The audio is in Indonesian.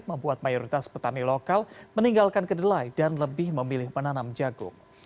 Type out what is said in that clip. membuat mayoritas petani lokal meninggalkan kedelai dan lebih memilih menanam jagung